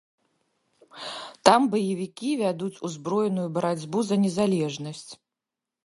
Там баевікі вядуць узброеную барацьбу за незалежнасць.